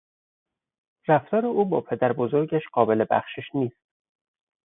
رفتار او با پدربزرگش قابل بخشش نیست.